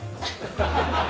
アハハハハ！